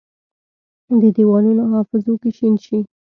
د دیوالونو حافظو کې شین شي،